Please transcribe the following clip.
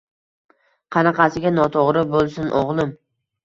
Qanaqasiga noto'g'ri bo'lsin, o'g'lim?